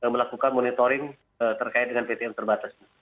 melakukan monitoring terkait dengan ptm terbatas